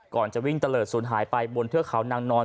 ก่อนจะวิ่งตะเลิศศูนย์หายไปบนเทือกเขานางนอน